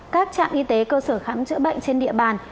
các trạm y tế cơ sở khám chữa bệnh trên địa bàn